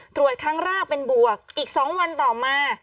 ตรวจครั้งแรกเป็นบวกอีก๒วันต่อมา